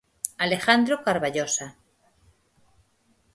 Alejandro Carballosa.